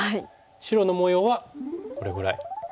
白の模様はこれぐらい。